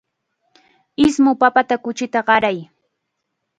Ismu papata kuchita qaray.